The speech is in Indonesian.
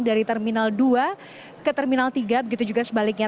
dari terminal dua ke terminal tiga begitu juga sebaliknya